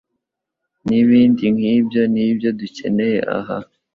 n'ibindi nk'ibyo nibyo dukeneye aha